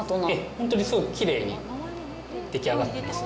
ほんとにすごくきれいにでき上がってますね。